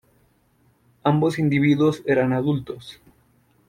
Ambos individuos eran adultos.